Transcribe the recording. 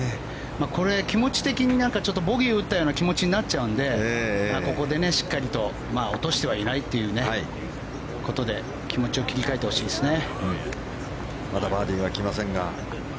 これ、気持ち的にボギーを打ったような気持ちになっちゃうので、ここでしっかり落としてはいないってことで気持ちを切り替えてほしいですね。